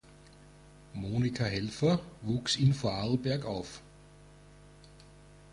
Monika Helfer wuchs in Vorarlberg auf.